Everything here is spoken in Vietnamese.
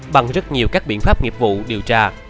bằng rất nhiều các biện pháp nghiệp vụ điều tra